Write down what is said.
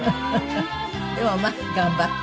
でもまあ頑張って。